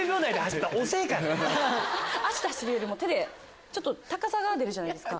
足で走るよりも手で高さが出るじゃないですか。